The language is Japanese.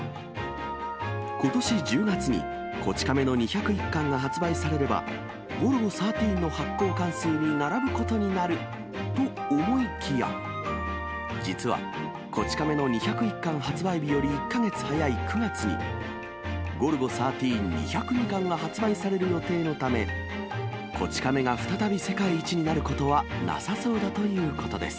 ことし１０月に、こち亀の２０１巻が発売されれば、ゴルゴ１３の発行巻数に並ぶことになると思いきや、実は、こち亀の２０１巻発売日より１か月早い９月に、ゴルゴ１３、２０２巻が発売される予定のため、こち亀が再び世界一になることはなさそうだということです。